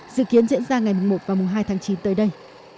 dự kiến diễn ra ngày một và hai tháng chín tới đây